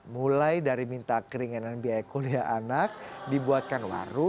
mulai dari minta keringinan biaya kuliah anak dibuatkan waru